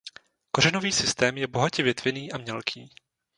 Kořenový systém je bohatě větvený a mělký.